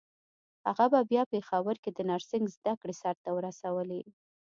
هغه بيا په پېښور کې د نرسنګ زدکړې سرته ورسولې.